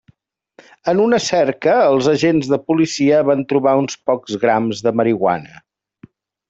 En una cerca els agents de policia van trobar uns pocs grams de marihuana.